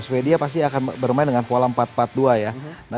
sweden pasti akan bermain dengan pola empat empat dua